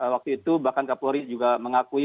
waktu itu bahkan kapolri juga mengakui